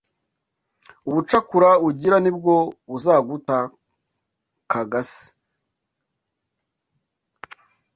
Ubucakura ugira nibwo buzaguta k’ agasi